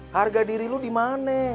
harga diri lu dimane